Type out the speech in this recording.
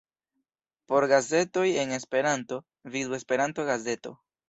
Por gazetoj en Esperanto, vidu Esperanto-gazeto.